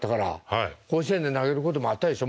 甲子園で投げることもあったでしょ？